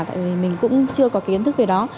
tại vì mình cũng chưa có kiến thức về đó